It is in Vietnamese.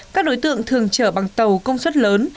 các đối tượng thường chở bằng tàu công suất lớn